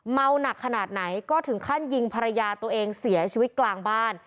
เมาหนักขนาดไหนก็ถึงขั้นยิงภรรยาตัวเองเสียชีวิตกลางบ้าน